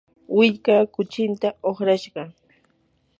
willkaa kuchinta uqrashqa.